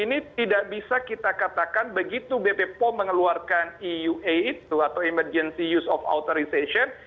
ini tidak bisa kita katakan begitu bp pom mengeluarkan eua itu atau emergency use of authorization